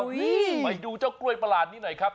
ไปดูเจ้ากล้วยประหลาดนี้หน่อยครับ